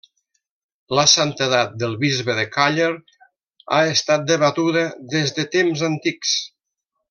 La santedat del bisbe de Càller ha estat debatuda des de temps antics.